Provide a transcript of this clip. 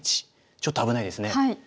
１ちょっと危ないですね。